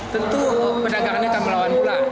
tentu pedagangannya akan melawan